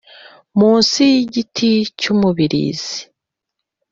Mu nsi yigiti cyumubirizi